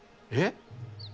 えっ？